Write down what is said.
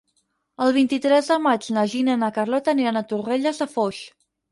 El vint-i-tres de maig na Gina i na Carlota aniran a Torrelles de Foix.